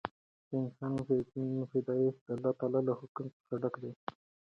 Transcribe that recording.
د انسان پیدایښت د الله تعالی له حکمت څخه ډک دی.